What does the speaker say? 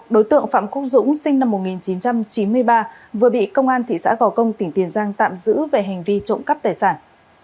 đối tượng phạm quốc dũng sinh năm một nghìn chín trăm chín mươi ba vừa bị công an thị xã gò công tỉnh tiền giang tạm giữ về hành vi trộm cắp tài sản